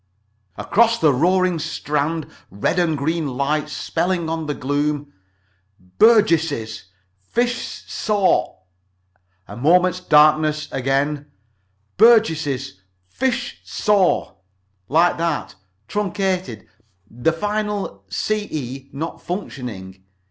"Across the roaring Strand red and green lights spelling on the gloom. 'BURGESS'S FISH SAU.' A moment's darkness and again 'BURGESS'S FISH SAU.'[Pg vii] Like that. Truncated. The final —CE not functioning.